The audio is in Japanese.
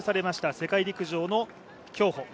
世界陸上の競歩。